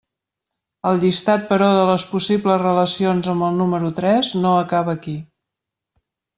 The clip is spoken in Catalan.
El llistat, però, de les possibles relacions amb el número tres no acaba aquí.